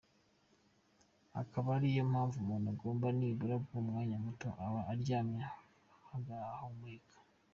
Akaba ari yo mpamvu umuntu agomba nibura guha umwanya muto aba aryamye hagahumeka.